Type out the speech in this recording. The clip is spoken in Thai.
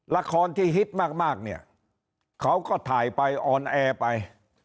ละครที่ฮิตมากเนี่ยเขาก็ถ่ายไปออนแอร์ไป